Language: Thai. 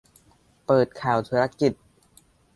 เปิดข่าวธุรกิจ